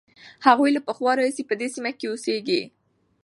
هغوی له پخوا راهیسې په دې سیمه کې اوسېږي.